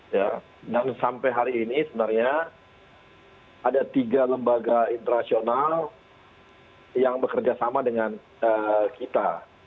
ya dan sampai hari ini sebenarnya ada tiga lembaga internasional yang bekerja sama dengan kita